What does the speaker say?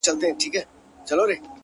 خو دا لمر بيا په زوال د چا د ياد _